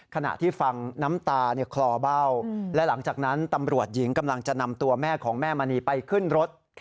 ขณะที่ฟังน้ำตาคลอเบ้าและหลังจากนั้นตำรวจหญิงกำลังจะนำตัวแม่ของแม่มณีไปขึ้นรถ